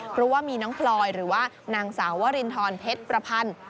เพราะว่ามีน้องพลอยหรือว่านางสาววรินทรเพชรประพันธ์